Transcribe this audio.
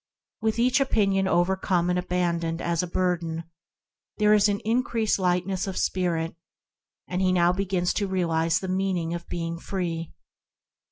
With each opinion overcome and abandoned as a burden, there is an in creased lightness of spirit, and he begins to realise the meaning of being free.